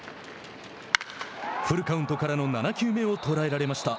フルカウントからの７球目を捉えられました。